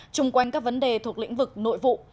chung quanh các vấn đề thuộc lĩnh vực nội vụ